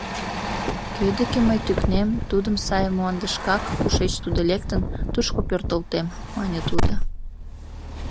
— Кӧ деке мый тӱкнем, тудым саде мландышкак, кушеч тудо лектын, тушко пӧртылтем, — мане тудо.